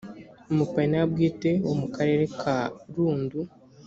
umupayiniya wa bwite wo mu karere ka rundu